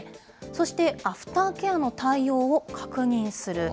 そして、アフターケアの対応を確認する。